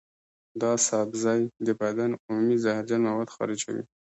دا سبزی د بدن عمومي زهرجن مواد خارجوي.